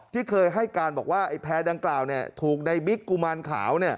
ที่เคยให้การบอกว่าไอ้แพร่ดังกล่าวถูกในบิ๊กกุมารขาว